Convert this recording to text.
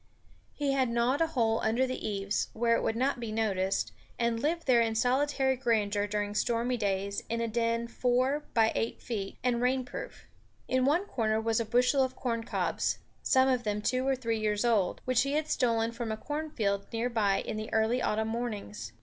He had gnawed a hole under the eaves, where it would not be noticed, and lived there in solitary grandeur during stormy days in a den four by eight feet, and rain proof. In one corner was a bushel of corncobs, some of them two or three years old, which he had stolen from a cornfield near by in the early autumn mornings.